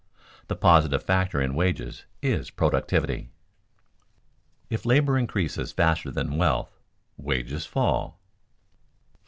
The positive factor in wages is productivity. [Sidenote: If labor increases faster than wealth, wages fall] 4.